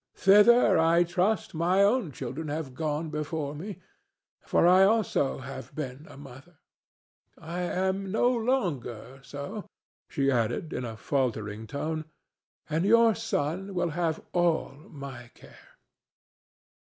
Thither, I trust, my own children have gone before me, for I also have been a mother. I am no longer so," she added, in a faltering tone, "and your son will have all my care."